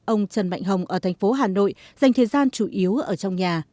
ông trần mạnh hồng ở thành phố hà nội dành thời gian chủ yếu ở trong nhà